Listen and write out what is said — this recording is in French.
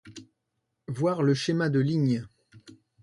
Voir le schéma de ligne.